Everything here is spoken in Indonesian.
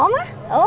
om mama dulu